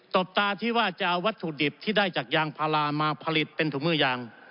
บตาที่ว่าจะเอาวัตถุดิบที่ได้จากยางพารามาผลิตเป็นถุงมือยาง